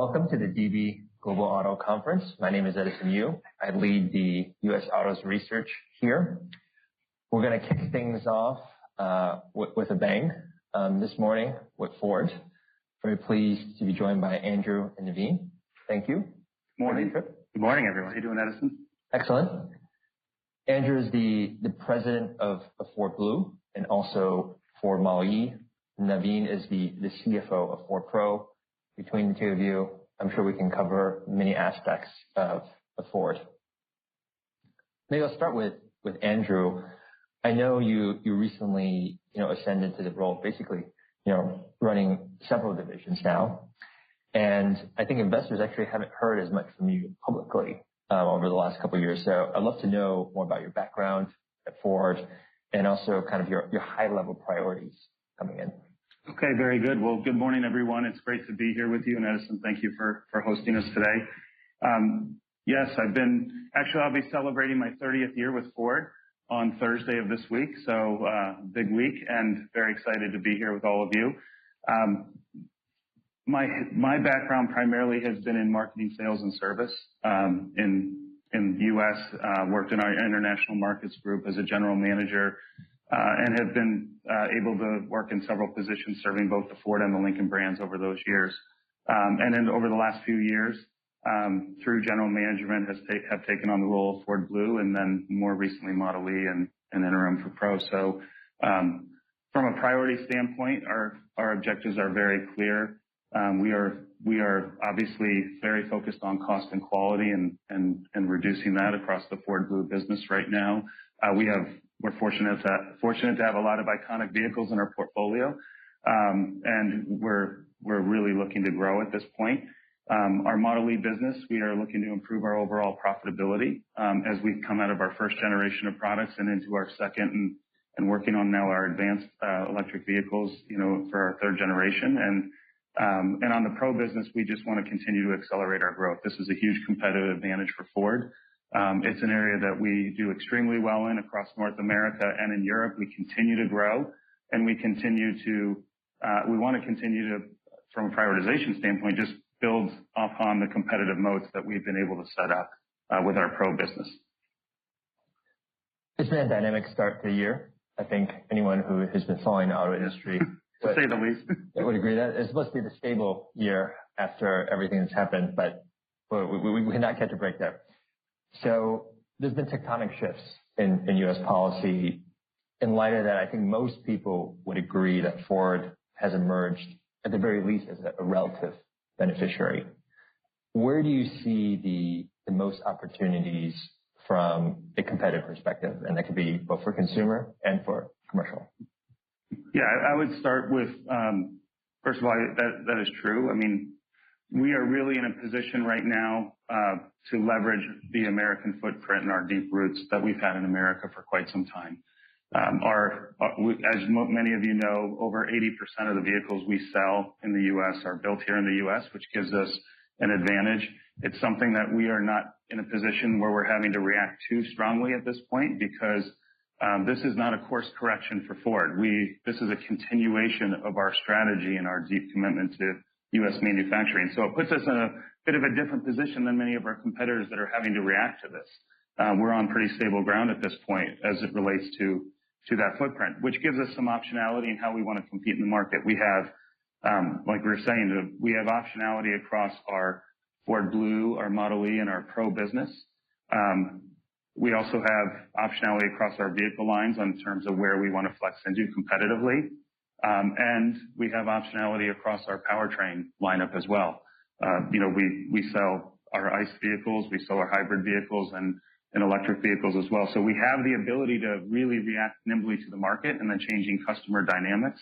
Welcome to the GB Global Auto Conference. My name is Edison Yu. I lead the U.S. Auto Research here. We're going to kick things off, with a bang, this morning with Ford. Very pleased to be joined by Andrew and Navin. Thank you. Good morning. Good morning, everyone. How you doing, Edison? Excellent. Andrew is the President of Ford Blue and also Ford Model e. Naveen is the CFO of Ford Pro. Between the two of you, I'm sure we can cover many aspects of Ford. Maybe I'll start with Andrew. I know you recently, you know, ascended to the role, basically, you know, running several divisions now. I think investors actually haven't heard as much from you publicly over the last couple of years. I would love to know more about your background at Ford and also kind of your high-level priorities coming in. Okay, very good. Good morning, everyone. It's great to be here with you, and Edison, thank you for hosting us today. Yes, I've been actually, I'll be celebrating my 30th year with Ford on Thursday of this week. Big week and very excited to be here with all of you. My background primarily has been in marketing, sales, and service in the U.S. I worked in our International Markets Group as a general manager and have been able to work in several positions serving both the Ford and the Lincoln brands over those years. Over the last few years, through general management, have taken on the role of Ford Blue and then more recently Model e and Interim for Pro. From a priority standpoint, our objectives are very clear. We are obviously very focused on cost and quality and reducing that across the Ford Blue business right now. We're fortunate to have a lot of iconic vehicles in our portfolio, and we're really looking to grow at this point. Our Model e business, we are looking to improve our overall profitability as we come out of our first generation of products and into our second and working on now our advanced electric vehicles for our third generation. On the Pro business, we just want to continue to accelerate our growth. This is a huge competitive advantage for Ford. It's an area that we do extremely well in across North America and in Europe. We continue to grow, and we continue to, we want to continue to, from a prioritization standpoint, just build upon the competitive moats that we've been able to set up with our Pro business. It's been a dynamic start to the year. I think anyone who has been following the auto industry. To say the least. I would agree that it must be the stable year after everything that's happened, but we cannot catch a break there. There's been tectonic shifts in U.S. policy in light of that. I think most people would agree that Ford has emerged, at the very least, as a relative beneficiary. Where do you see the most opportunities from a competitive perspective? That could be both for consumer and for commercial. Yeah, I would start with, first of all, that is true. I mean, we are really in a position right now to leverage the American footprint and our deep roots that we've had in America for quite some time. As many of you know, over 80% of the vehicles we sell in the U.S. are built here in the U.S., which gives us an advantage. It's something that we are not in a position where we're having to react too strongly at this point because this is not a course correction for Ford. This is a continuation of our strategy and our deep commitment to U.S. manufacturing. It puts us in a bit of a different position than many of our competitors that are having to react to this. We're on pretty stable ground at this point as it relates to that footprint, which gives us some optionality in how we want to compete in the market. We have, like we were saying, we have optionality across our Ford Blue, our Model e, and our Pro business. We also have optionality across our vehicle lines in terms of where we want to flex and do competitively. And we have optionality across our powertrain lineup as well. You know, we sell our ICE vehicles, we sell our hybrid vehicles, and electric vehicles as well. So, we have the ability to really react nimbly to the market and the changing customer dynamics.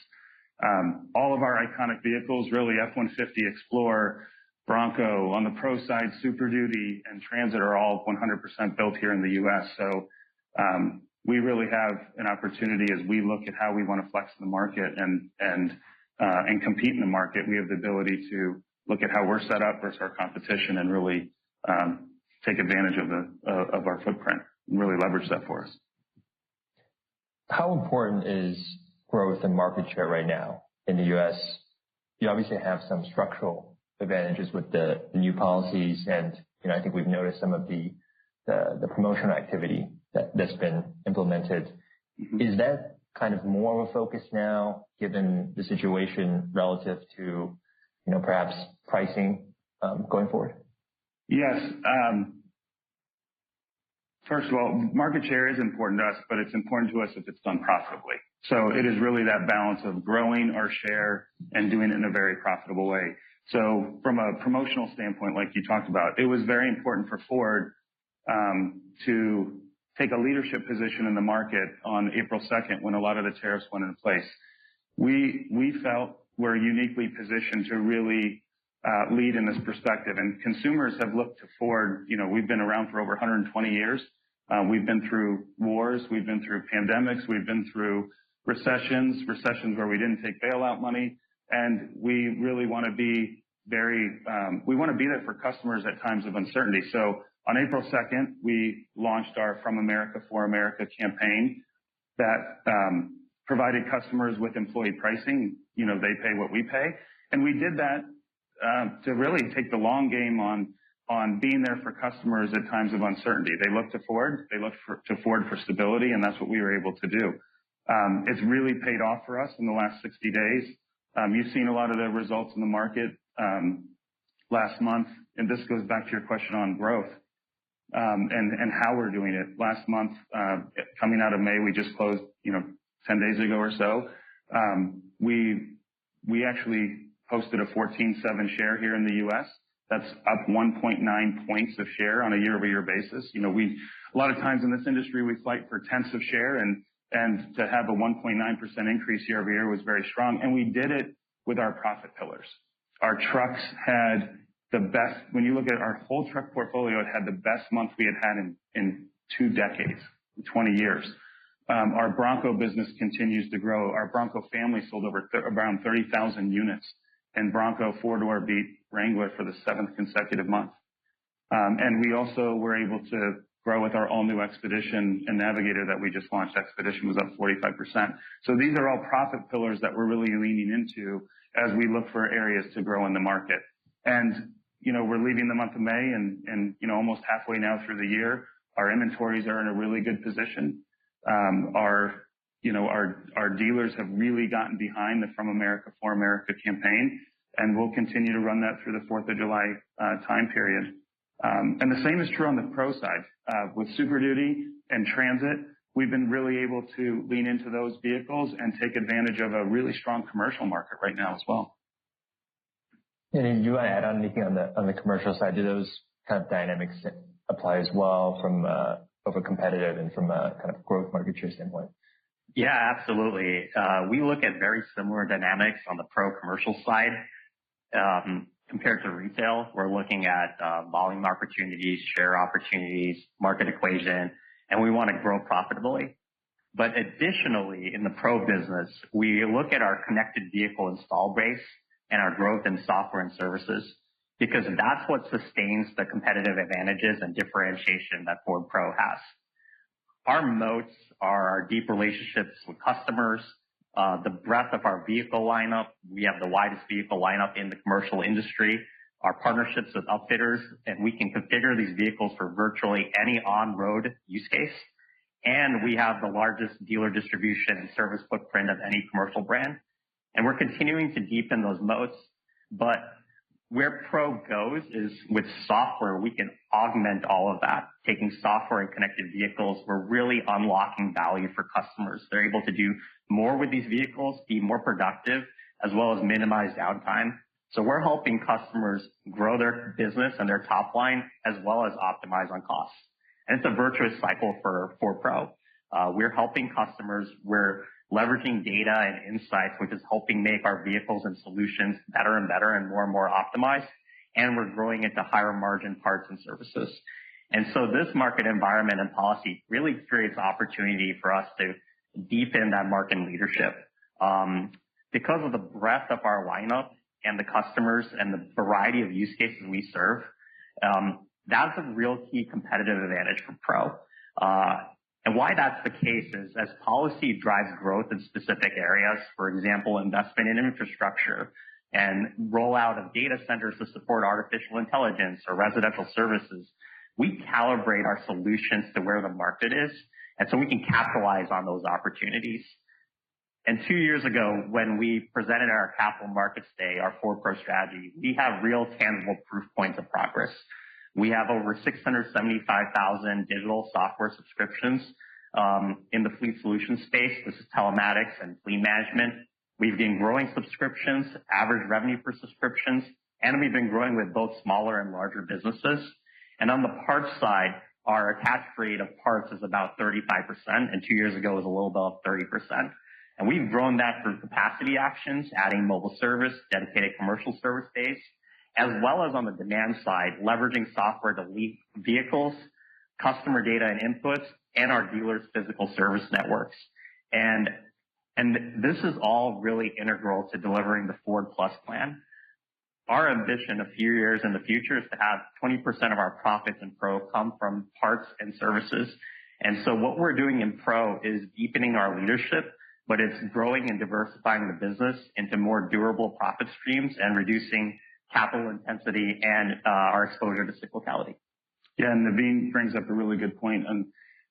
All of our iconic vehicles, really F-150, Explorer, Bronco, on the Pro side, Super Duty, and Transit are all 100% built here in the U.S. We really have an opportunity as we look at how we want to flex in the market and compete in the market. We have the ability to look at how we're set up versus our competition and really take advantage of our footprint and really leverage that for us. How important is growth and market share right now in the U.S.? You obviously have some structural advantages with the new policies, and I think we've noticed some of the promotional activity that's been implemented. Is that kind of more of a focus now given the situation relative to, you know, perhaps pricing going forward? Yes. First of all, market share is important to us, but it's important to us if it's done profitably. It is really that balance of growing our share and doing it in a very profitable way. From a promotional standpoint, like you talked about, it was very important for Ford to take a leadership position in the market on April 2nd when a lot of the tariffs went into place. We felt we're uniquely positioned to really lead in this perspective. Consumers have looked to Ford. You know, we've been around for over 120 years. We've been through wars. We've been through pandemics. We've been through recessions, recessions where we didn't take bailout money. We really want to be very, we want to be there for customers at times of uncertainty. On April 2nd, we launched our From America for America campaign that provided customers with employee pricing. You know, they pay what we pay. We did that to really take the long game on being there for customers at times of uncertainty. They looked to Ford. They looked to Ford for stability, and that's what we were able to do. It's really paid off for us in the last 60 days. You've seen a lot of the results in the market last month. This goes back to your question on growth and how we're doing it. Last month, coming out of May, we just closed, you know, 10 days ago or so. We actually posted a 14.7% share here in the U.S. That's up 1.9 points of share on a year-over-year basis. You know, a lot of times in this industry, we fight for tenths of share, and to have a 1.9% increase year-over-year was very strong. We did it with our profit pillars. Our trucks had the best, when you look at our whole truck portfolio, it had the best month we had had in two decades, 20 years. Our Bronco business continues to grow. Our Bronco family sold around 30,000 units, and Bronco beat Wrangler for the seventh consecutive month. We also were able to grow with our all-new Expedition and Navigator that we just launched. Expedition was up 45%. These are all profit pillars that we're really leaning into as we look for areas to grow in the market. You know, we're leaving the month of May, and, you know, almost halfway now through the year, our inventories are in a really good position. Our dealers have really gotten behind the From America ,For America campaign, and we'll continue to run that through the 4th of July time period. The same is true on the Pro side. With Super Duty and Transit, we've been really able to lean into those vehicles and take advantage of a really strong commercial market right now as well. Do you want to add on anything on the commercial side? Do those kind of dynamics apply as well from a competitive and from a kind of growth market share standpoint? Yeah, absolutely. We look at very similar dynamics on the Pro commercial side. Compared to retail, we're looking at volume opportunities, share opportunities, market equation, and we want to grow profitably. Additionally, in the Pro business, we look at our connected vehicle install base and our growth in software and services because that's what sustains the competitive advantages and differentiation that Ford Pro has. Our moats are our deep relationships with customers, the breadth of our vehicle lineup. We have the widest vehicle lineup in the commercial industry, our partnerships with outfitters, and we can configure these vehicles for virtually any on-road use case. We have the largest dealer distribution and service footprint of any commercial brand. We're continuing to deepen those moats. Where Pro goes is with software, we can augment all of that. Taking software and connected vehicles, we're really unlocking value for customers. They're able to do more with these vehicles, be more productive, as well as minimize downtime. We're helping customers grow their business and their top line as well as optimize on costs. It's a virtuous cycle for Pro. We're helping customers. We're leveraging data and insights, which is helping make our vehicles and solutions better and better and more and more optimized. We're growing into higher margin parts and services. This market environment and policy really creates opportunity for us to deepen that market leadership. Because of the breadth of our lineup and the customers and the variety of use cases we serve, that's a real key competitive advantage for Pro. Why that's the case is as policy drives growth in specific areas, for example, investment in infrastructure and rollout of data centers to support artificial intelligence or residential services, we calibrate our solutions to where the market is. We can capitalize on those opportunities. Two years ago, when we presented our Capital Markets Day, our Ford Pro strategy, we have real tangible proof points of progress. We have over 675,000 digital software subscriptions in the fleet solution space. This is telematics and fleet management. We've been growing subscriptions, average revenue per subscription, and we've been growing with both smaller and larger businesses. On the parts side, our attached creative parts is about 35%, and two years ago was a little bit of 30%. We have grown that through capacity actions, adding mobile service, dedicated commercial service space, as well as on the demand side, leveraging software to lease vehicles, customer data and inputs, and our dealers' physical service networks. This is all really integral to delivering the Ford Plus plan. Our ambition a few years in the future is to have 20% of our profits in Pro come from parts and services. What we are doing in Pro is deepening our leadership, but it is growing and diversifying the business into more durable profit streams and reducing capital intensity and our exposure to cyclicality. Yeah, Navin brings up a really good point.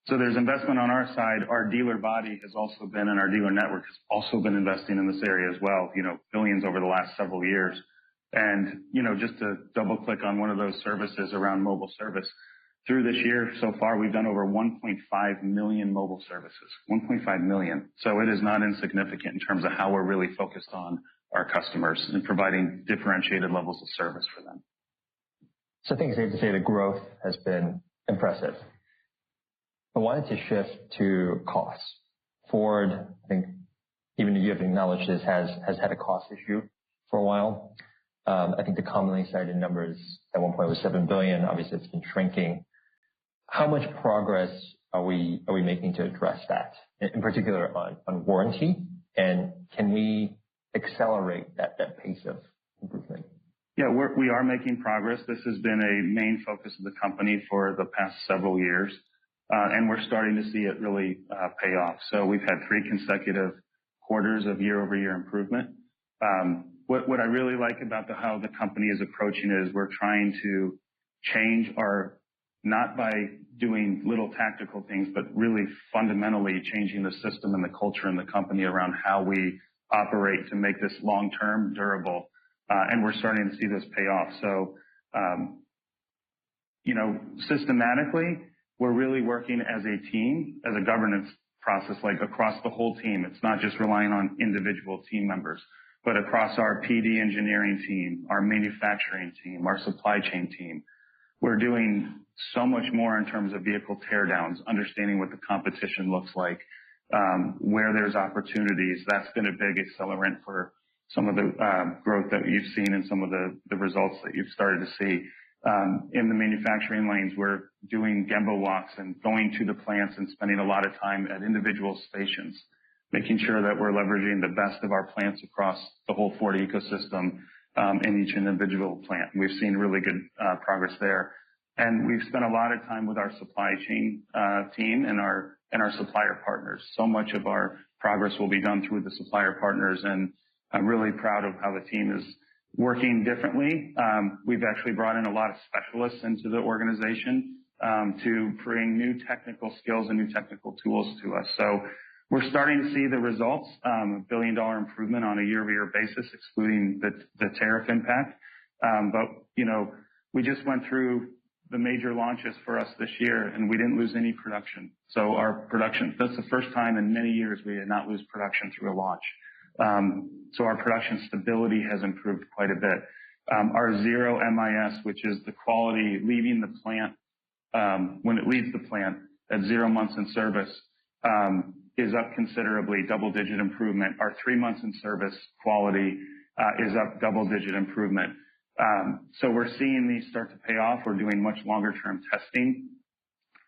There is investment on our side. Our dealer body has also been, and our dealer network has also been investing in this area as well, you know, millions over the last several years. And, you know, just to double-click on one of those services around mobile service, through this year so far, we have done over 1.5 million mobile services, 1.5 million. It is not insignificant in terms of how we are really focused on our customers and providing differentiated levels of service for them. I think it's safe to say the growth has been impressive. I wanted to shift to costs. Ford, I think even you have acknowledged this, has had a cost issue for a while. I think the commonly cited number at one point was $7 billion. Obviously, it's been shrinking. How much progress are we making to address that, in particular on warranty? Can we accelerate that pace of improvement? Yeah, we are making progress. This has been a main focus of the company for the past several years, and we're starting to see it really pay off. We've had three consecutive quarters of year-over-year improvement. What I really like about how the company is approaching it is we're trying to change our, not by doing little tactical things, but really fundamentally changing the system and the culture in the company around how we operate to make this long-term durable. We're starting to see this pay off. You know, systematically, we're really working as a team, as a governance process, like across the whole team. It's not just relying on individual team members, but across our PD engineering team, our manufacturing team, our supply chain team. We're doing so much more in terms of vehicle tear downs, understanding what the competition looks like, where there's opportunities. That's been a big accelerant for some of the growth that you've seen and some of the results that you've started to see. In the manufacturing lanes, we're doing Gemba Walks and going to the plants and spending a lot of time at individual stations, making sure that we're leveraging the best of our plants across the whole Ford ecosystem in each individual plant. We've seen really good progress there. We've spent a lot of time with our supply chain team and our supplier partners. So much of our progress will be done through the supplier partners. I'm really proud of how the team is working differently. We've actually brought in a lot of specialists into the organization to bring new technical skills and new technical tools to us. We're starting to see the results, a $1 billion improvement on a year-over-year basis, excluding the tariff impact. But, you know, we just went through the major launches for us this year, and we did not lose any production. Our production, that is the first time in many years we had not lost production through a launch. Our production stability has improved quite a bit. Our zero MIS, which is the quality leaving the plant when it leaves the plant at zero months in service, is up considerably, double-digit improvement. Our three months in service quality is up double-digit improvement. We are seeing these start to pay off. We are doing much longer-term testing.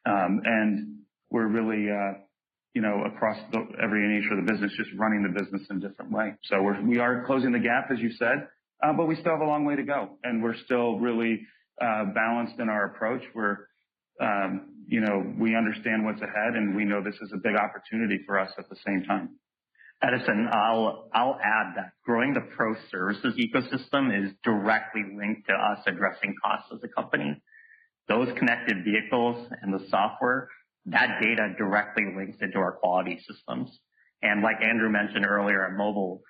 We are really, you know, across every niche of the business, just running the business in a different way. We are closing the gap, as you said, but we still have a long way to go. We are still really balanced in our approach. We're, you know, we understand what's ahead, and we know this is a big opportunity for us at the same time. Edison, I'll add that growing the Pro services ecosystem is directly linked to us addressing costs as a company. Those connected vehicles and the software, that data directly links into our quality systems. Like Andrew mentioned earlier at Mobile,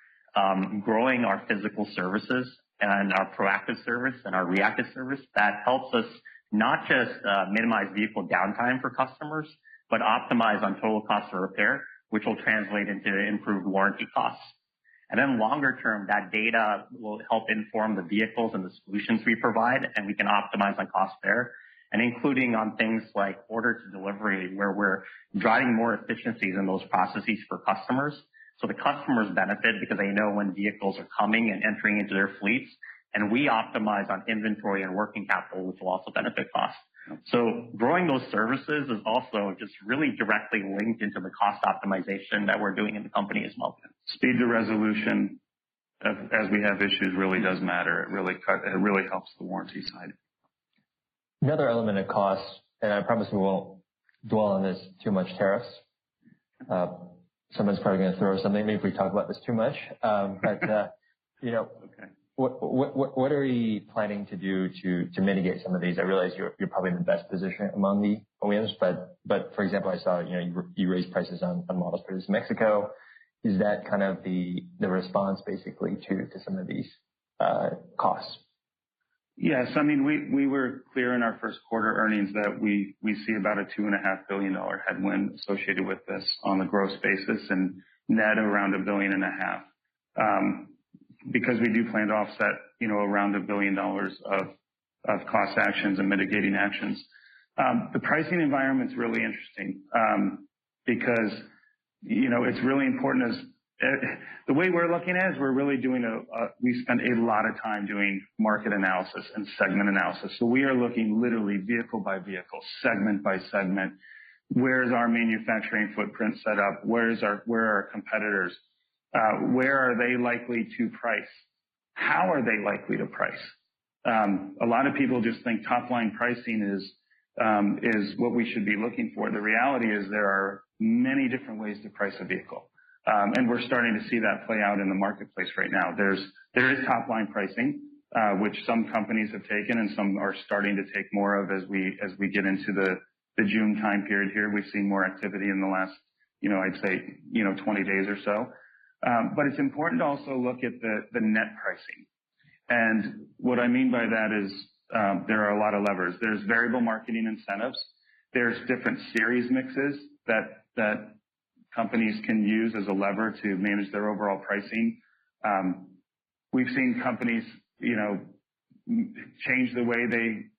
growing our physical services and our proactive service and our reactive service, that helps us not just minimize vehicle downtime for customers, but optimize on total cost of repair, which will translate into improved warranty costs. Longer term, that data will help inform the vehicles and the solutions we provide, and we can optimize on cost there. Including on things like order to delivery, where we're driving more efficiencies in those processes for customers. The customers benefit because they know when vehicles are coming and entering into their fleets, and we optimize on inventory and working capital, which will also benefit costs. Growing those services is also just really directly linked into the cost optimization that we're doing in the company as well. Speed to resolution, as we have issues, really does matter. It really helps the warranty side. Another element of cost, and I promise we won't dwell on this too much, tariffs. Someone's probably going to throw something at me if we talk about this too much. But, you know, what are we planning to do to mitigate some of these? I realize you're probably in the best position among the OEMs, but for example, I saw you raised prices on models produced in Mexico. Is that kind of the response, basically, to some of these costs? Yes. I mean, we were clear in our first quarter earnings that we see about a $2.5 billion headwind associated with this on the gross basis and net around $1.5 billion because we do plan to offset, you know, around $1 billion of cost actions and mitigating actions. The pricing environment's really interesting because, you know, it's really important as the way we're looking at it is we're really doing a, we spend a lot of time doing market analysis and segment analysis. We are looking literally vehicle by vehicle, segment by segment. Where's our manufacturing footprint set up? Where are our competitors? Where are they likely to price? How are they likely to price? A lot of people just think top-line pricing is what we should be looking for. The reality is there are many different ways to price a vehicle. We're starting to see that play out in the marketplace right now. There is top-line pricing, which some companies have taken and some are starting to take more of as we get into the June time period here. We've seen more activity in the last, you know, I'd say, you know, 20 days or so. It's important to also look at the net pricing. What I mean by that is there are a lot of levers. There's variable marketing incentives. There are different series mixes that companies can use as a lever to manage their overall pricing. We've seen companies, you know, change the way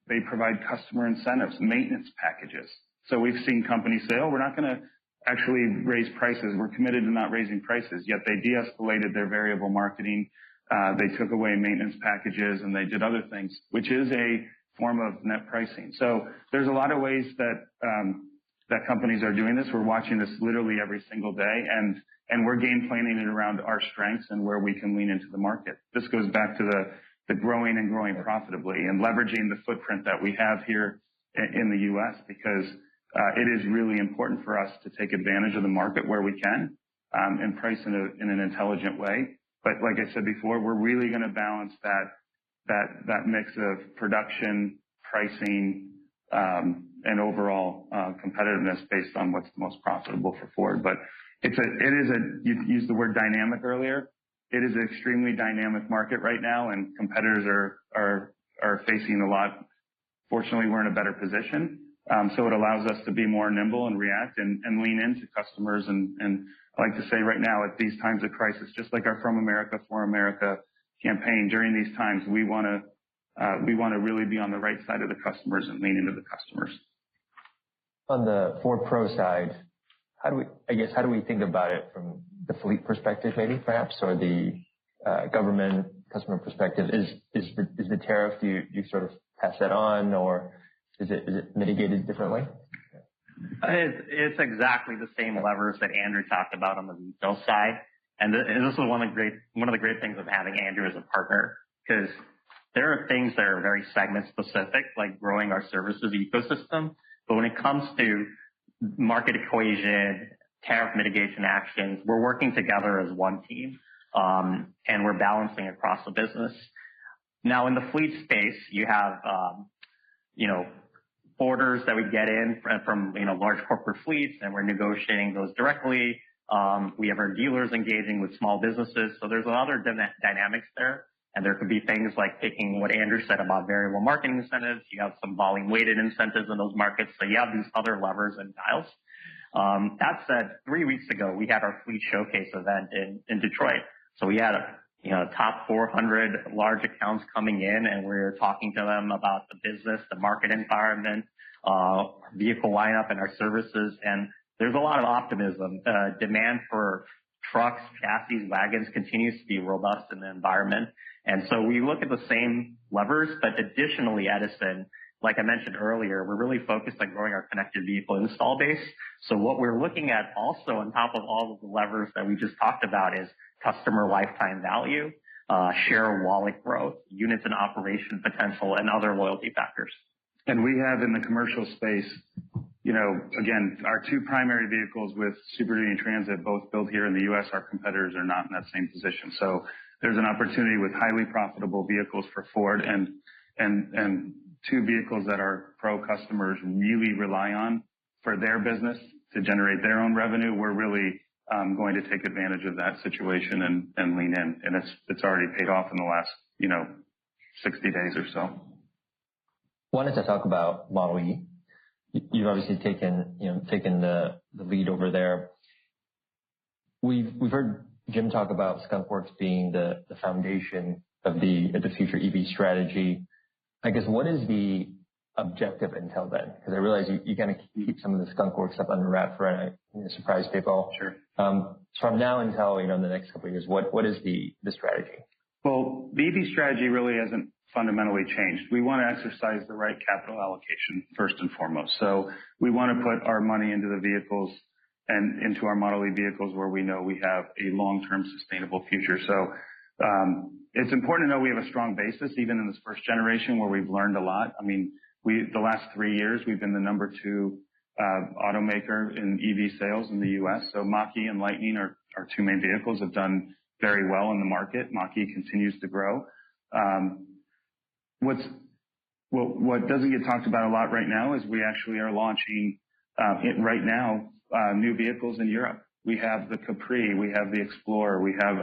they provide customer incentives, maintenance packages. We've seen companies say, "Oh, we're not going to actually raise prices. We're committed to not raising prices." Yet they de-escalated their variable marketing. They took away maintenance packages, and they did other things, which is a form of net pricing. There are a lot of ways that companies are doing this. We're watching this literally every single day. We're game planning it around our strengths and where we can lean into the market. This goes back to growing and growing profitably and leveraging the footprint that we have here in the U.S. because it is really important for us to take advantage of the market where we can and price in an intelligent way. Like I said before, we're really going to balance that mix of production, pricing, and overall competitiveness based on what's most profitable for Ford. It is a, you used the word dynamic earlier. It is an extremely dynamic market right now, and competitors are facing a lot. Fortunately, we're in a better position. It allows us to be more nimble and react and lean into customers. I like to say right now, at these times of crisis, just like our From America, For America campaign during these times, we want to really be on the right side of the customers and lean into the customers. On the Ford Pro side, I guess, how do we think about it from the fleet perspective, maybe, perhaps, or the government customer perspective? Is the tariff, you sort of pass that on, or is it mitigated differently? It's exactly the same levers that Andrew talked about on the detail side. This is one of the great things of having Andrew as a partner because there are things that are very segment-specific, like growing our services ecosystem. When it comes to market equation, tariff mitigation actions, we're working together as one team, and we're balancing across the business. Now, in the fleet space, you have, you know, orders that we get in from large corporate fleets, and we're negotiating those directly. We have our dealers engaging with small businesses. There's a lot of dynamics there. There could be things like picking what Andrew said about variable marketing incentives. You have some volume-weighted incentives in those markets. You have these other levers and dials. That said, three weeks ago, we had our fleet showcase event in Detroit. We had a top 400 large accounts coming in, and we were talking to them about the business, the market environment, our vehicle lineup, and our services. There is a lot of optimism. Demand for trucks, chassis, wagons continues to be robust in the environment. We look at the same levers. Additionally, Edison, like I mentioned earlier, we're really focused on growing our connected vehicle install base. What we're looking at also on top of all of the levers that we just talked about is customer lifetime value, share wallet growth, units and operation potential, and other loyalty factors. We have in the commercial space, you know, again, our two primary vehicles with Super Duty and Transit, both built here in the U.S. Our competitors are not in that same position. There is an opportunity with highly profitable vehicles for Ford and two vehicles that our Pro customers really rely on for their business to generate their own revenue. We are really going to take advantage of that situation and lean in. It has already paid off in the last, you know, 60 days or so. Wanted to talk about Model e. You've obviously taken the lead over there. We've heard Jim talk about Skunk Works being the foundation of the future EV strategy. I guess, what is the objective until then? Because I realize you kind of keep some of the Skunk Works stuff under wraps, right? I'm going to surprise people. Sure. From now until the next couple of years, what is the strategy? The EV strategy really hasn't fundamentally changed. We want to exercise the right capital allocation, first and foremost. We want to put our money into the vehicles and into our Model e vehicles where we know we have a long-term sustainable future. It is important to know we have a strong basis, even in this first generation, where we've learned a lot. I mean, the last three years, we've been the number two automaker in EV sales in the U.S. Mach-E and Lightning are two main vehicles that have done very well in the market. Mach-E continues to grow. What does not get talked about a lot right now is we actually are launching right now new vehicles in Europe. We have the Capri, we have the Explorer, we have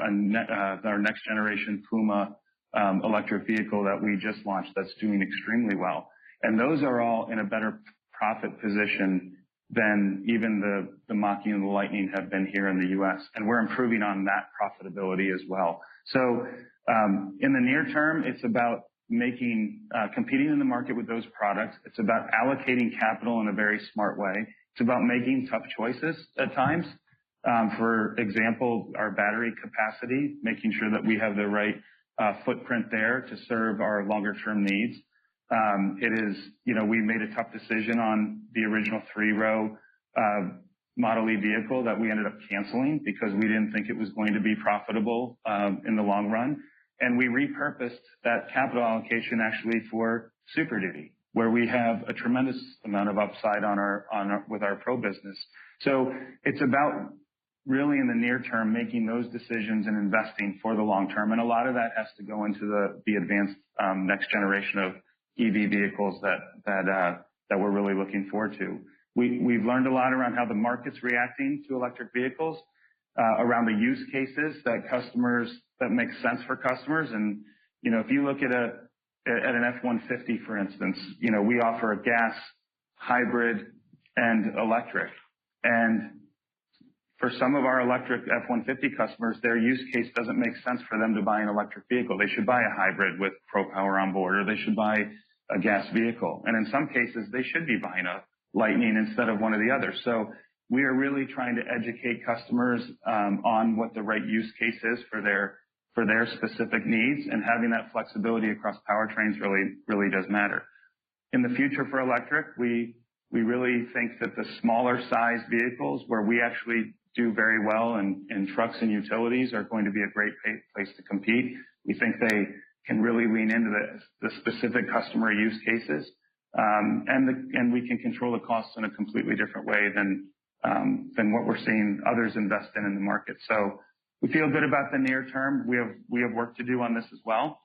our next-generation Puma electric vehicle that we just launched that is doing extremely well. Those are all in a better profit position than even the Mach-E and the Lightning have been here in the U.S. We are improving on that profitability as well. In the near term, it is about competing in the market with those products. It is about allocating capital in a very smart way. It is about making tough choices at times. For example, our battery capacity, making sure that we have the right footprint there to serve our longer-term needs. You know, we made a tough decision on the original three-row Model e vehicle that we ended up canceling because we did not think it was going to be profitable in the long run. We repurposed that capital allocation actually for Super Duty, where we have a tremendous amount of upside with our Pro business. It's about really in the near term making those decisions and investing for the long term. A lot of that has to go into the advanced next generation of EV vehicles that we're really looking forward to. We've learned a lot around how the market's reacting to electric vehicles, around the use cases that make sense for customers. You know, if you look at an F-150, for instance, we offer a gas, hybrid, and electric. For some of our electric F-150 customers, their use case doesn't make sense for them to buy an electric vehicle. They should buy a hybrid with Pro Power on board, or they should buy a gas vehicle. In some cases, they should be buying a Lightning instead of one or the other. We are really trying to educate customers on what the right use case is for their specific needs. Having that flexibility across powertrains really does matter. In the future for electric, we really think that the smaller-sized vehicles, where we actually do very well in trucks and utilities, are going to be a great place to compete. We think they can really lean into the specific customer use cases. We can control the costs in a completely different way than what we are seeing others invest in in the market. We feel good about the near term. We have work to do on this as well.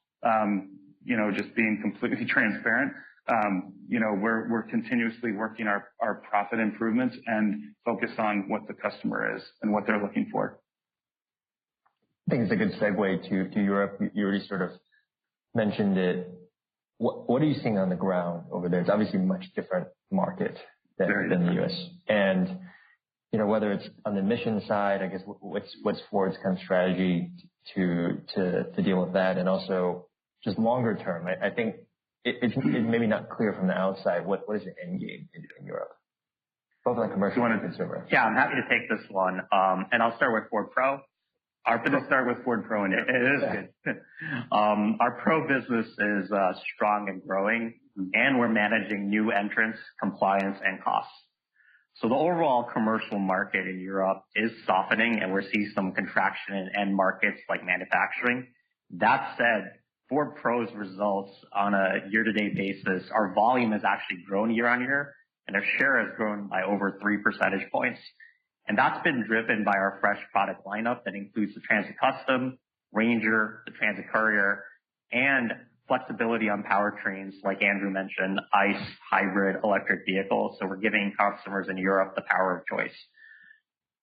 You know, just being completely transparent, you know, we are continuously working our profit improvements and focused on what the customer is and what they are looking for. I think it's a good segue to Europe. You already sort of mentioned it. What are you seeing on the ground over there? It's obviously a much different market than the U.S. You know, whether it's on the mission side, I guess, what's Ford's kind of strategy to deal with that? Also, just longer term, I think it's maybe not clear from the outside. What is the end game in Europe, both on the commercial and consumer? Yeah, I'm happy to take this one. I'll start with Ford Pro. I'm going to start with Ford Pro in Europe. It is good. Our Pro business is strong and growing, and we're managing new entrants, compliance, and costs. The overall commercial market in Europe is softening, and we're seeing some contraction in end markets like manufacturing. That said, Ford Pro's results on a year-to-date basis, our volume has actually grown year on year, and our share has grown by over 3 percentage points. That's been driven by our fresh product lineup that includes the Transit Custom, Ranger, the Transit Courier, and flexibility on powertrains, like Andrew mentioned, ICE, hybrid, electric vehicles. We're giving customers in Europe the power of choice.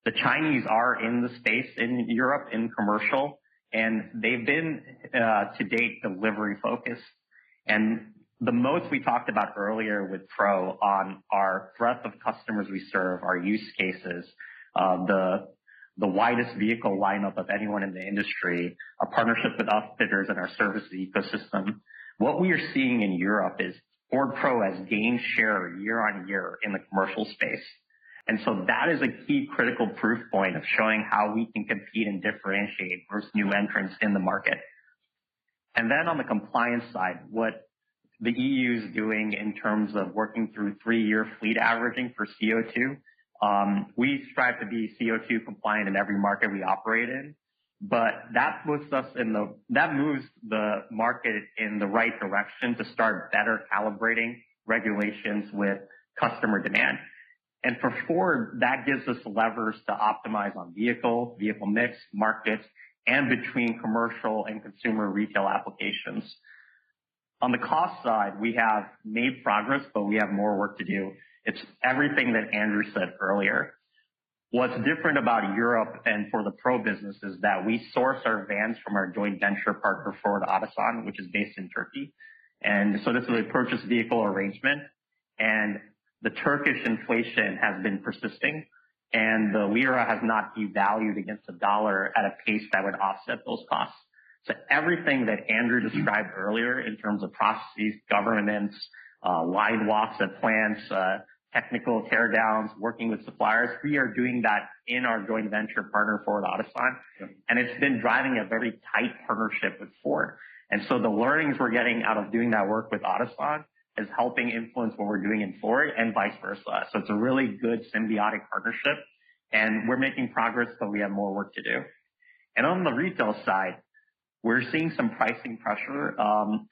The Chinese are in the space in Europe in commercial, and they've been to date delivery-focused. The moats we talked about earlier with Pro on our breadth of customers we serve, our use cases, the widest vehicle lineup of anyone in the industry, our partnership with our upfitters, and our services ecosystem, what we are seeing in Europe is Ford Pro has gained share year on year in the commercial space. That is a key critical proof point of showing how we can compete and differentiate versus new entrants in the market. On the compliance side, what the EU is doing in terms of working through three-year fleet averaging for CO2, we strive to be CO2 compliant in every market we operate in. That moves the market in the right direction to start better calibrating regulations with customer demand. For Ford, that gives us levers to optimize on vehicle, vehicle mix, market, and between commercial and consumer retail applications. On the cost side, we have made progress, but we have more work to do. It is everything that Andrew said earlier. What is different about Europe and for the Pro business is that we source our vans from our joint venture partner, Ford Otosan, which is based in Turkey. This is a purchase vehicle arrangement. The Turkish inflation has been persisting, and the lira has not devalued against the dollar at a pace that would offset those costs. Everything that Andrew described earlier in terms of processes, governance, value walks at plants, technical tear-downs, working with suppliers, we are doing that in our joint venture partner, Ford Otosan. It has been driving a very tight partnership with Ford. The learnings we're getting out of doing that work with Ford Otosan is helping influence what we're doing in Ford and vice versa. It's a really good symbiotic partnership. We're making progress, but we have more work to do. On the retail side, we're seeing some pricing pressure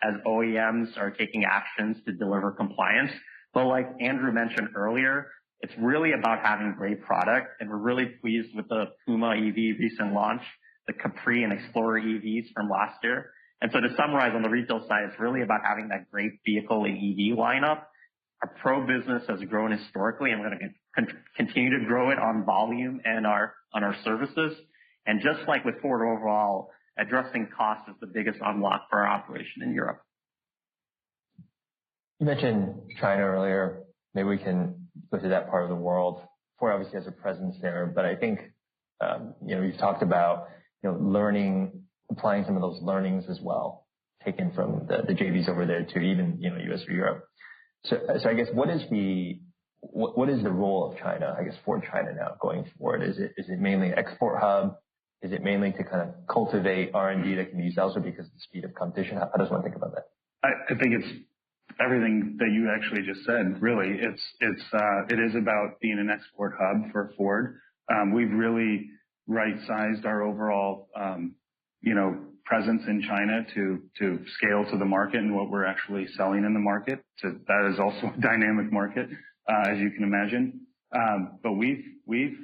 as OEMs are taking actions to deliver compliance. Like Andrew mentioned earlier, it's really about having great product. We're really pleased with the Puma EV recent launch, the Capri and Explorer EVs from last year. To summarize on the retail side, it's really about having that great vehicle and EV lineup. Our Pro business has grown historically, and we're going to continue to grow it on volume and on our services. Just like with Ford overall, addressing costs is the biggest unlock for our operation in Europe. You mentioned China earlier. Maybe we can go to that part of the world. Ford obviously has a presence there. I think, you know, you've talked about learning, applying some of those learnings as well, taken from the JVs over there to even, you know, U.S. or Europe. I guess, what is the role of China, I guess, for China now going forward? Is it mainly an export hub? Is it mainly to kind of cultivate R&D that can be used also because of the speed of competition? How does one think about that? I think it's everything that you actually just said, really. It is about being an export hub for Ford. We've really right-sized our overall, you know, presence in China to scale to the market and what we're actually selling in the market. That is also a dynamic market, as you can imagine. We've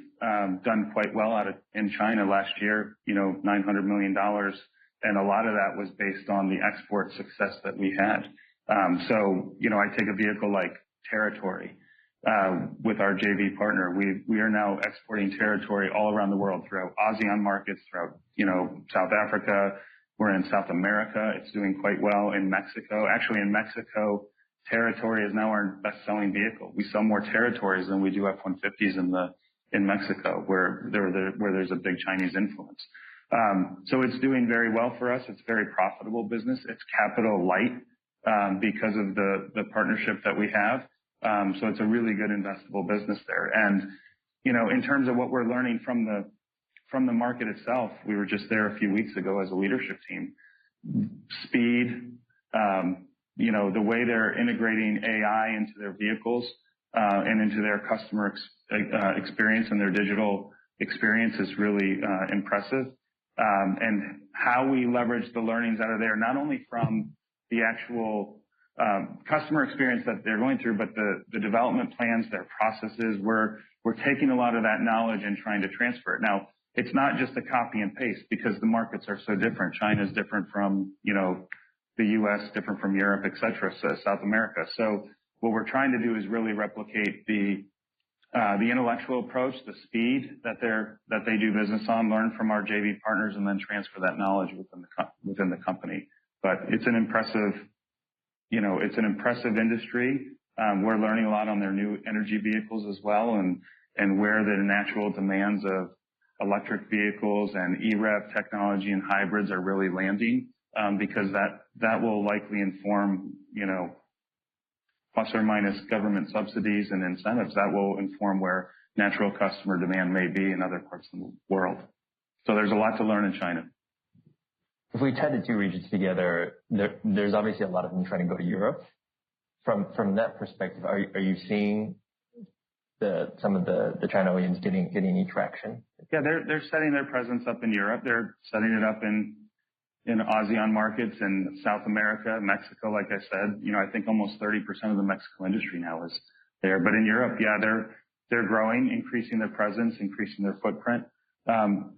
done quite well in China last year, you know, $900 million. A lot of that was based on the export success that we had. You know, I take a vehicle like Territory with our JV partner. We are now exporting Territory all around the world through ASEAN markets, throughout, you know, South Africa. We're in South America. It's doing quite well in Mexico. Actually, in Mexico, Territory is now our best-selling vehicle. We sell more Territorys than we do F-150s in Mexico, where there's a big Chinese influence. It's doing very well for us. It's a very profitable business. It's Capital-Light because of the partnership that we have. It's a really good investable business there. You know, in terms of what we're learning from the market itself, we were just there a few weeks ago as a leadership team. Speed, you know, the way they're integrating AI into their vehicles and into their customer experience and their digital experience is really impressive. How we leverage the learnings that are there, not only from the actual customer experience that they're going through, but the development plans, their processes, we're taking a lot of that knowledge and trying to transfer it. Now, it's not just a copy and paste because the markets are so different. China is different from, you know, the U.S., different from Europe, et cetera, South America. What we're trying to do is really replicate the intellectual approach, the speed that they do business on, learn from our JV partners, and then transfer that knowledge within the company. It's an impressive, you know, it's an impressive industry. We're learning a lot on their new energy vehicles as well and where the natural demands of electric vehicles and EREV technology and hybrids are really landing because that will likely inform, you know, plus or minus government subsidies and incentives that will inform where natural customer demand may be in other parts of the world. There's a lot to learn in China. If we tied the two regions together, there's obviously a lot of them trying to go to Europe. From that perspective, are you seeing some of the China OEMs getting any traction? Yeah, they're setting their presence up in Europe. They're setting it up in ASEAN markets and South America, Mexico, like I said. You know, I think almost 30% of the Mexican industry now is there. In Europe, yeah, they're growing, increasing their presence, increasing their footprint.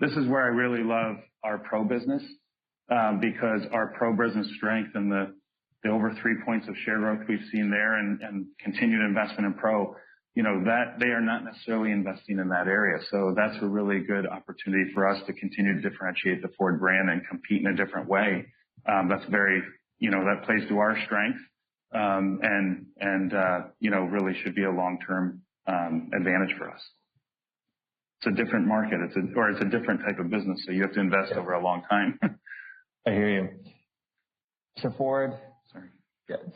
This is where I really love our Pro business because our Pro business strength and the over three points of share growth we've seen there and continued investment in Pro, you know, they are not necessarily investing in that area. That's a really good opportunity for us to continue to differentiate the Ford brand and compete in a different way. That's very, you know, that plays to our strength and, you know, really should be a long-term advantage for us. It's a different market, or it's a different type of business. You have to invest over a long time. I hear you. Mr. Ford.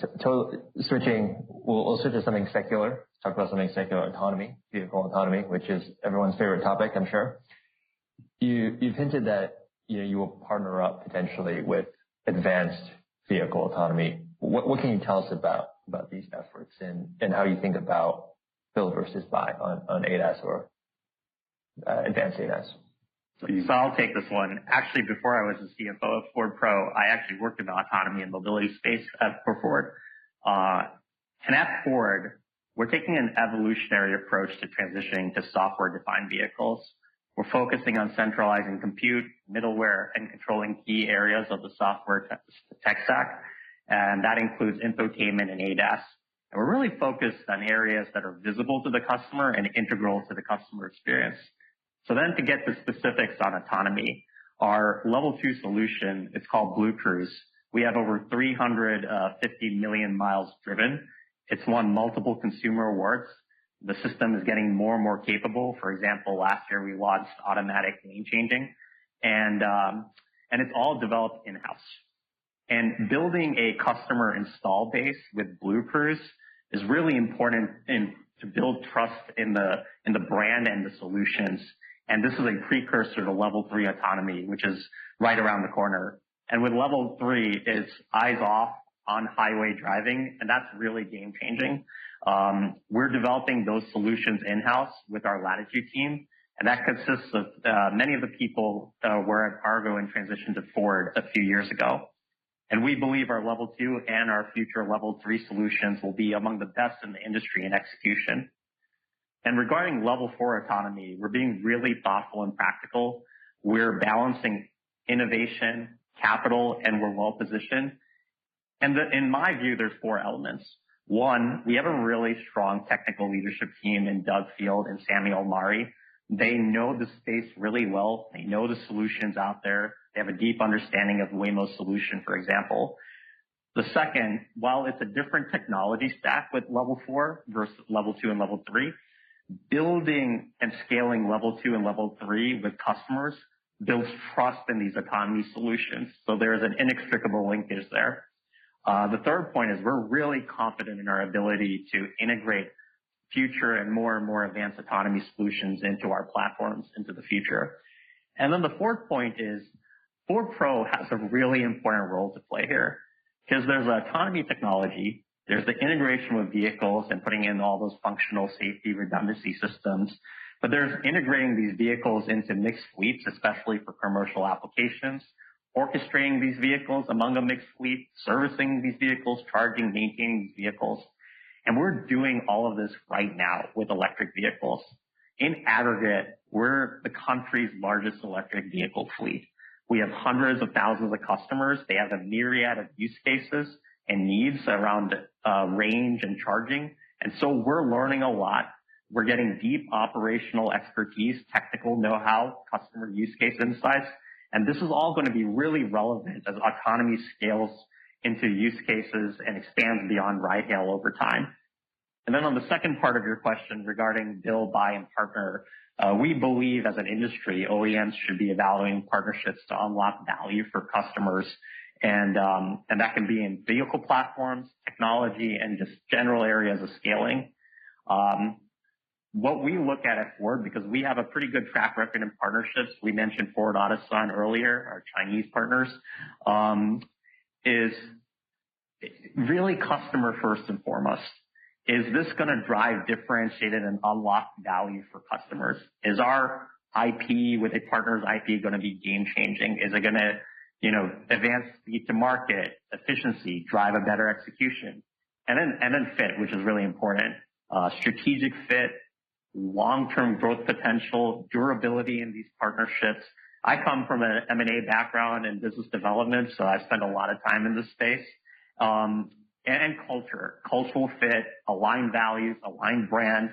Sorry. Switching, we'll switch to something secular, talk about something secular, autonomy, vehicle autonomy, which is everyone's favorite topic, I'm sure. You've hinted that you will partner up potentially with advanced vehicle autonomy. What can you tell us about these efforts and how you think about build versus buy on ADAS or advanced ADAS? I'll take this one. Actually, before I was the CFO of Ford Pro, I actually worked in the autonomy and mobility space at Ford. At Ford, we're taking an evolutionary approach to transitioning to software-defined vehicles. We're focusing on centralizing compute, middleware, and controlling key areas of the software tech stack. That includes infotainment and ADAS. We're really focused on areas that are visible to the customer and integral to the customer experience. To get to the specifics on autonomy, our level two solution is called Blue Cruise. We have over 350 million miles driven. It's won multiple consumer awards. The system is getting more and more capable. For example, last year, we launched automatic lane changing. It's all developed in-house. Building a customer install base with Blue Cruise is really important to build trust in the brand and the solutions. This is a precursor to level three autonomy, which is right around the corner. With level three, it's eyes off on highway driving. That's really game-changing. We're developing those solutions in-house with our Latitude team. That consists of many of the people who were at Argo and transitioned to Ford a few years ago. We believe our level two and our future level three solutions will be among the best in the industry in execution. Regarding level four autonomy, we're being really thoughtful and practical. We're balancing innovation, capital, and we're well-positioned. In my view, there are four elements. One, we have a really strong technical leadership team in Doug Field and Sammy Omari. They know the space really well. They know the solutions out there. They have a deep understanding of Waymo's solution, for example. The second, while it's a different technology stack with level four versus level two and level three, building and scaling level two and level three with customers builds trust in these autonomy solutions. There is an inextricable linkage there. The third point is we're really confident in our ability to integrate future and more and more advanced autonomy solutions into our platforms into the future. The fourth point is Ford Pro has a really important role to play here because there's autonomy technology, there's the integration with vehicles and putting in all those functional safety redundancy systems, but there's integrating these vehicles into mixed fleets, especially for commercial applications, orchestrating these vehicles among a mixed fleet, servicing these vehicles, charging, maintaining these vehicles. We're doing all of this right now with electric vehicles. In aggregate, we're the country's largest electric vehicle fleet. We have hundreds of thousands of customers. They have a myriad of use cases and needs around range and charging. We are learning a lot. We are getting deep operational expertise, technical know-how, customer use case insights. This is all going to be really relevant as autonomy scales into use cases and expands beyond ride hail over time. On the second part of your question regarding build, buy, and partner, we believe as an industry, OEMs should be evaluating partnerships to unlock value for customers. That can be in vehicle platforms, technology, and just general areas of scaling. What we look at at Ford, because we have a pretty good track record in partnerships, we mentioned Ford Otosan earlier, our Chinese partners, is really customer first and foremost. Is this going to drive differentiated and unlock value for customers? Is our IP with a partner's IP going to be game-changing? Is it going to, you know, advance speed to market, efficiency, drive a better execution? Then fit, which is really important. Strategic fit, long-term growth potential, durability in these partnerships. I come from an M&A background in business development, so I spend a lot of time in this space. And culture, cultural fit, aligned values, aligned brand.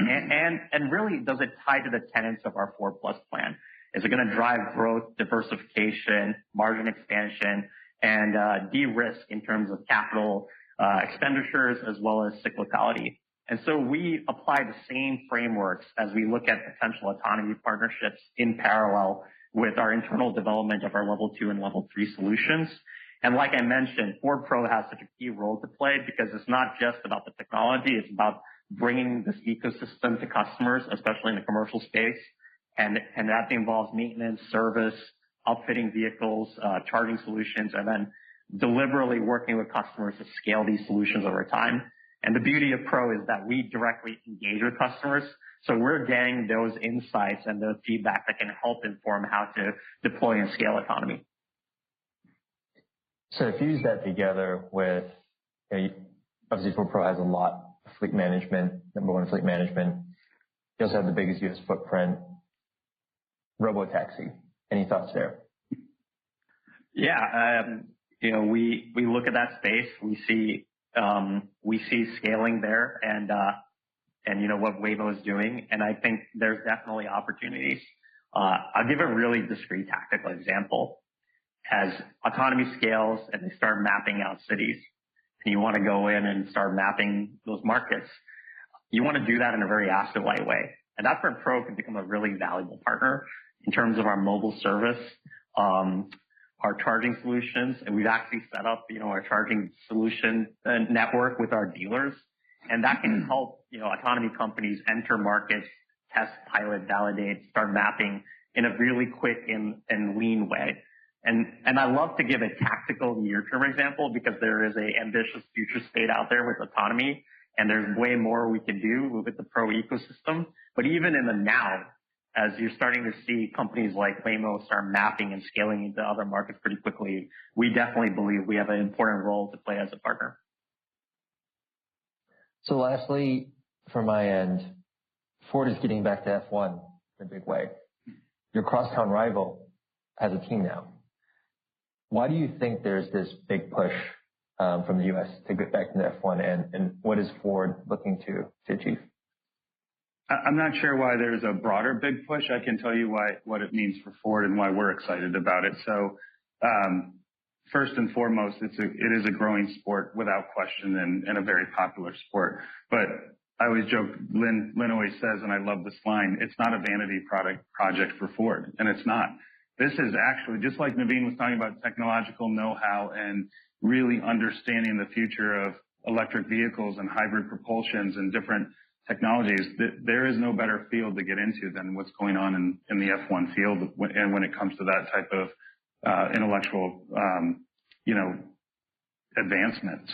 Really, does it tie to the tenets of our Ford Plus plan? Is it going to drive growth, diversification, margin expansion, and de-risk in terms of capital expenditures as well as cyclicality? We apply the same frameworks as we look at potential autonomy partnerships in parallel with our internal development of our level two and level three solutions. Like I mentioned, Ford Pro has such a key role to play because it is not just about the technology. is about bringing this ecosystem to customers, especially in the commercial space. That involves maintenance, service, outfitting vehicles, charging solutions, and then deliberately working with customers to scale these solutions over time. The beauty of Pro is that we directly engage with customers. We are getting those insights and the feedback that can help inform how to deploy and scale autonomy. If you use that together with, obviously, Ford Pro has a lot of fleet management, number one fleet management. You also have the biggest U.S. footprint, Robotaxi. Any thoughts there? Yeah. You know, we look at that space. We see scaling there and, you know, what Waymo is doing. I think there's definitely opportunities. I'll give a really discrete tactical example. As autonomy scales and they start mapping out cities, and you want to go in and start mapping those markets, you want to do that in a very asset-light way. That's where Pro can become a really valuable partner in terms of our mobile service, our charging solutions. We've actually set up, you know, our charging solution network with our dealers. That can help, you know, autonomy companies enter markets, test, pilot, validate, start mapping in a really quick and lean way. I love to give a tactical near-term example because there is an ambitious future state out there with autonomy, and there's way more we can do with the Pro ecosystem. Even in the now, as you're starting to see companies like Waymo start mapping and scaling into other markets pretty quickly, we definitely believe we have an important role to play as a partner. Lastly, from my end, Ford is getting back to F1 in a big way. Your crosstown rival has a team now. Why do you think there's this big push from the U.S. to get back to the F1? What is Ford looking to achieve? I'm not sure why there's a broader big push. I can tell you what it means for Ford and why we're excited about it. First and foremost, it is a growing sport, without question, and a very popular sport. I always joke, Lynn always says, and I love this line, it's not a vanity project for Ford, and it's not. This is actually, just like Navin was talking about, technological know-how and really understanding the future of electric vehicles and hybrid propulsions and different technologies, there is no better field to get into than what's going on in the F1 field when it comes to that type of intellectual, you know, advancement.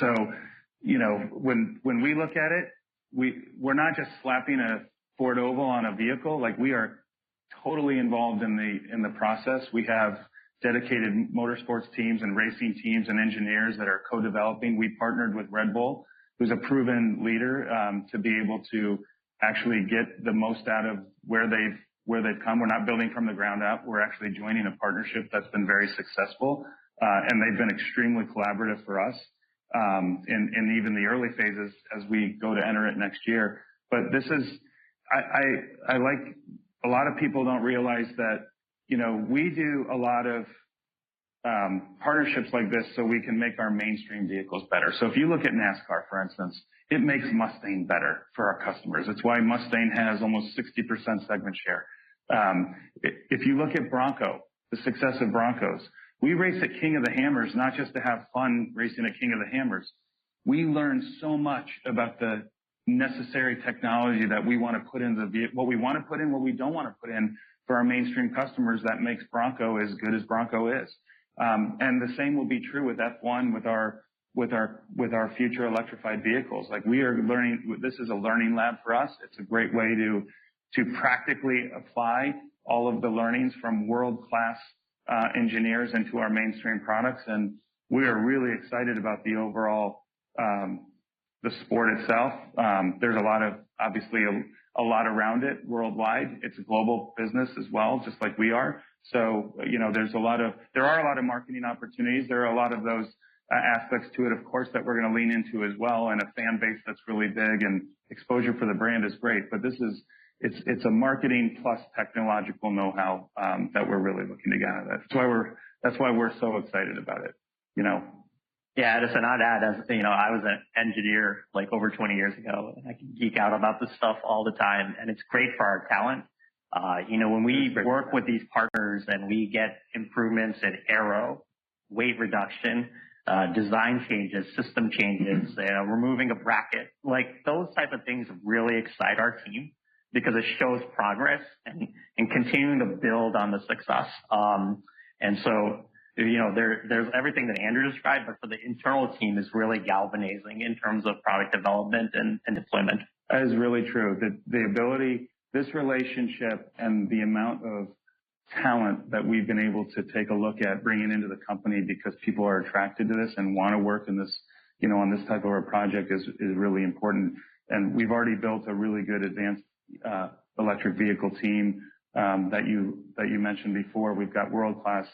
You know, when we look at it, we're not just slapping a Ford Oval on a vehicle. Like, we are totally involved in the process. We have dedicated motorsports teams and racing teams and engineers that are co-developing. We partnered with Red Bull, who's a proven leader, to be able to actually get the most out of where they've come. We're not building from the ground up. We're actually joining a partnership that's been very successful. They've been extremely collaborative for us in even the early phases as we go to enter it next year. I like a lot of people don't realize that, you know, we do a lot of partnerships like this so we can make our mainstream vehicles better. If you look at NASCAR, for instance, it makes Mustang better for our customers. It's why Mustang has almost 60% segment share. If you look at Bronco, the success of Bronco, we race at King of the Hammers, not just to have fun racing at King of the Hammers. We learn so much about the necessary technology that we want to put in the vehicle, what we want to put in, what we don't want to put in for our mainstream customers that makes Bronco as good as Bronco is. The same will be true with F1, with our future electrified vehicles. Like, we are learning, this is a learning lab for us. It's a great way to practically apply all of the learnings from world-class engineers into our mainstream products. We are really excited about the overall, the sport itself. There's a lot of, obviously, a lot around it worldwide. It's a global business as well, just like we are. You know, there are a lot of marketing opportunities. There are a lot of those aspects to it, of course, that we're going to lean into as well. And a fan base that's really big and exposure for the brand is great. This is, it's a marketing plus technological know-how that we're really looking to get out of it. That's why we're so excited about it, you know. Yeah. And if I'm not to add, you know, I was an engineer like over 20 years ago. And I can geek out about this stuff all the time. And it's great for our talent. You know, when we work with these partners and we get improvements in aero, weight reduction, design changes, system changes, you know, removing a bracket, like those types of things really excite our team because it shows progress and continuing to build on the success. And so, you know, there's everything that Andrew described, but for the internal team, it's really galvanizing in terms of product development and deployment. That is really true. The ability, this relationship and the amount of talent that we've been able to take a look at bringing into the company because people are attracted to this and want to work in this, you know, on this type of a project is really important. We've already built a really good advanced electric vehicle team that you mentioned before. We've got world-class,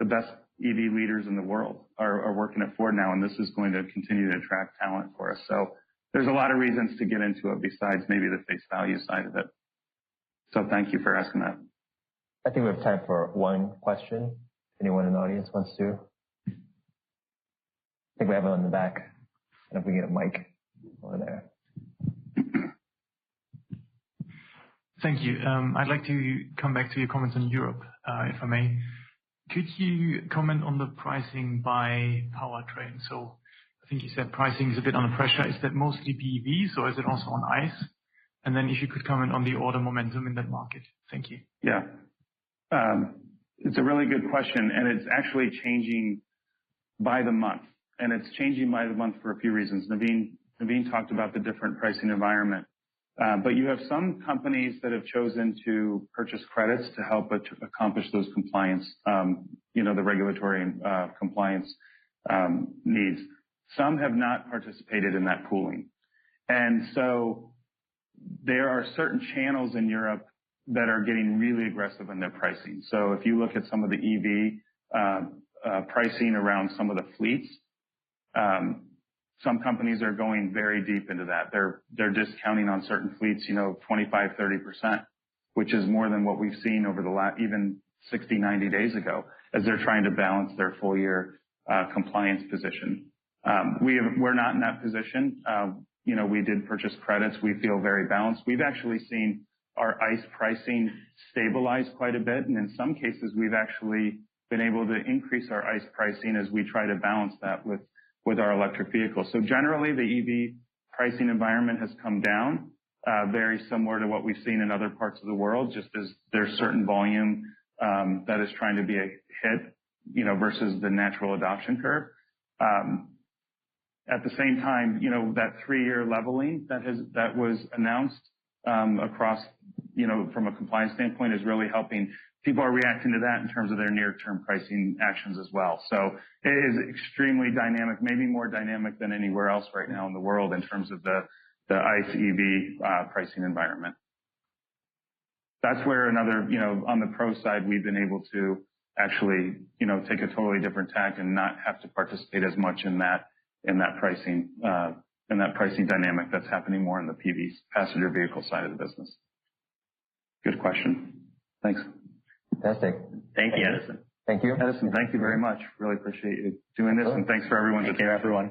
the best EV leaders in the world are working at Ford now. This is going to continue to attract talent for us. There are a lot of reasons to get into it besides maybe the face value side of it. Thank you for asking that. I think we have time for one question. If anyone in the audience wants to. I think we have one in the back. If we get a mic over there. Thank you. I'd like to come back to your comments on Europe, if I may. Could you comment on the pricing by powertrain? I think you said pricing is a bit under pressure. Is that mostly BEVs or is it also on ICE? If you could comment on the order momentum in that market. Thank you. Yeah. It's a really good question. It's actually changing by the month. It's changing by the month for a few reasons. NavIn talked about the different pricing environment. You have some companies that have chosen to purchase credits to help accomplish those compliance, you know, the regulatory compliance needs. Some have not participated in that pooling. There are certain channels in Europe that are getting really aggressive in their pricing. If you look at some of the EV pricing around some of the fleets, some companies are going very deep into that. They're discounting on certain fleets, you know, 25%-30%, which is more than what we've seen over the last even 60-90 days ago as they're trying to balance their full-year compliance position. We're not in that position. You know, we did purchase credits. We feel very balanced. We've actually seen our ICE pricing stabilize quite a bit. In some cases, we've actually been able to increase our ICE pricing as we try to balance that with our electric vehicles. Generally, the EV pricing environment has come down, very similar to what we've seen in other parts of the world, just as there's certain volume that is trying to be a hit, you know, versus the natural adoption curve. At the same time, you know, that three-year leveling that was announced across, you know, from a compliance standpoint is really helping. People are reacting to that in terms of their near-term pricing actions as well. It is extremely dynamic, maybe more dynamic than anywhere else right now in the world in terms of the ICE EV pricing environment. That's where another, you know, on the Pro side, we've been able to actually, you know, take a totally different tack and not have to participate as much in that pricing and that pricing dynamic that's happening more in the PV passenger vehicle side of the business. Good question. Thanks. Fantastic. Thank you, Edison. Thank you. Edison, thank you very much. Really appreciate you doing this. Thank you to everyone that came forward.